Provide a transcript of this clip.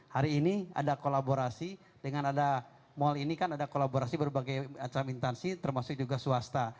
hari ini ada kolaborasi dengan ada mal ini kan ada kolaborasi berbagai macam intansi termasuk juga swasta